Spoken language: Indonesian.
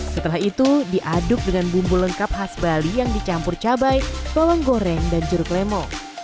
setelah itu diaduk dengan bumbu lengkap khas bali yang dicampur cabai bawang goreng dan jeruk lemo